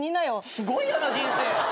すごい嫌な人生！